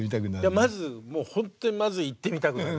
まずもうほんとにまず行ってみたくなる。